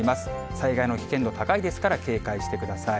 災害の危険度高いですから、警戒してください。